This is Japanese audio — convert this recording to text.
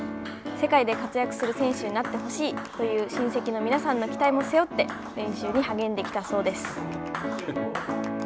世界で活躍する選手になってほしいという親戚の皆さんの期待も背負って、練習に励んできたそうです。